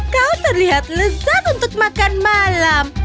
kau terlihat lezat untuk makan malam